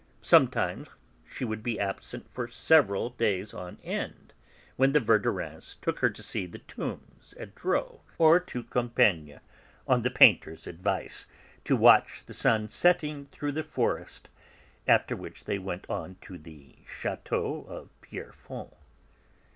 Sometimes she would be absent for several days on end, when the Verdurins took her to see the tombs at Dreux, or to Compiègne, on the painter's advice, to watch the sun setting through the forest after which they went on to the Château of Pierrefonds.